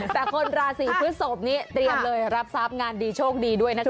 แต่คนราศีพฤศพนี้เตรียมเลยรับทรัพย์งานดีโชคดีด้วยนะคะ